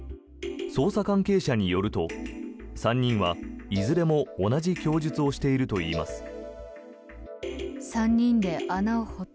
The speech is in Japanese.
捜査関係者によると３人はいずれも同じ供述をしているといいます。